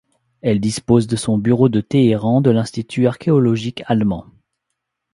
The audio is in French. Elle dispose de son bureau de Téhéran de l'institut archéologique allemand.